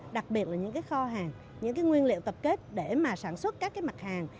đặc biệt là những cái kho hàng những nguyên liệu tập kết để mà sản xuất các cái mặt hàng